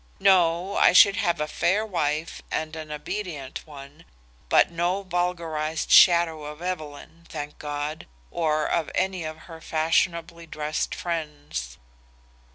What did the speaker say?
No, I should have a fair wife and an obedient one, but no vulgarized shadow of Evelyn, thank God, or of any of her fashionably dressed friends.